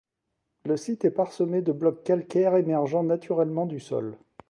Le site est parsemé de blocs calcaire émergeant naturellement du sol.